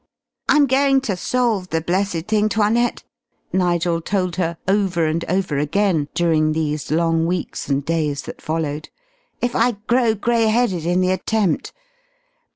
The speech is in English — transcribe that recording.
"I'm going to solve the blessed thing, 'Toinette," Nigel told her over and over again during these long weeks and days that followed, "if I grow gray headed in the attempt.